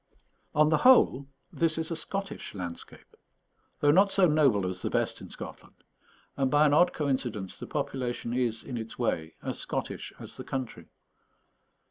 On the whole, this is a Scottish landscape, although not so noble as the best in Scotland; and by an odd coincidence the population is, in its way, as Scottish as the country.